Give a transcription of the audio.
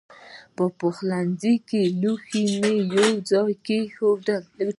د پخلنځي لوښي مې یو ځای کېښودل.